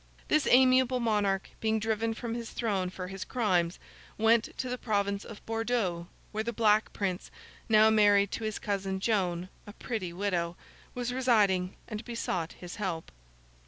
This amiable monarch being driven from his throne for his crimes, went to the province of Bordeaux, where the Black Prince—now married to his cousin Joan, a pretty widow—was residing, and besought his help.